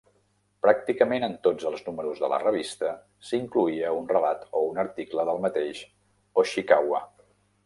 Pràcticament en tots els números de la revista s'incloïa un relat o un article del mateix Oshikawa.